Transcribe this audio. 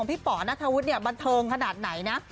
พี่ป๋อนัทธวุฒิเนี่ยบันเทิงขนาดไหนนะ